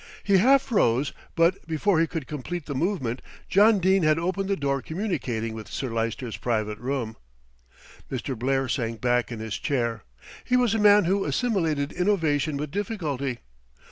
He half rose; but before he could complete the movement John Dene had opened the door communicating with Sir Lyster's private room. Mr. Blair sank back in his chair. He was a man who assimilated innovation with difficulty.